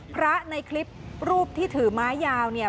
พระในคลิปรูปที่ถือไม้ยาวเนี่ย